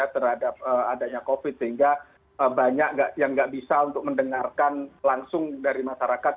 terhadap adanya covid sehingga banyak yang nggak bisa untuk mendengarkan langsung dari masyarakat